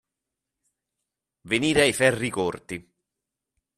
Venire ai ferri corti.